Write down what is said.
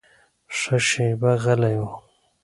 ښه شېبه غلی و.